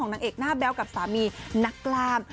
หน้าแบ้วกับสามีนักราม